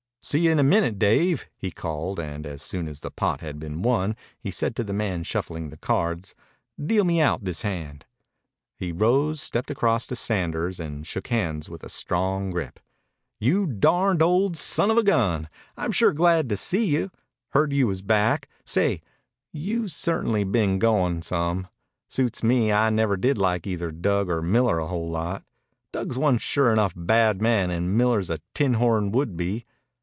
"See you in a minute, Dave," he called, and as soon as the pot had been won he said to the man shuffling the cards, "Deal me out this hand." He rose, stepped across to Sanders, and shook hands with a strong grip. "You darned old son of a gun! I'm sure glad to see you. Heard you was back. Say, you've ce'tainly been goin' some. Suits me. I never did like either Dug or Miller a whole lot. Dug's one sure enough bad man and Miller's a tinhorn would be.